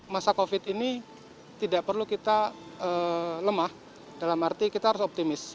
masa covid ini tidak perlu kita lemah dalam arti kita harus optimis